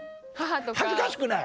恥ずかしくない？